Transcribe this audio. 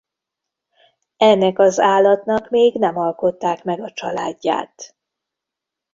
Ennek az állatnak még nem alkották meg a családját.